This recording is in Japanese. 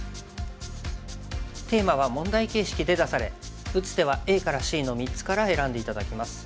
テーマは問題形式で出され打つ手はＡからＣの３つから選んで頂きます。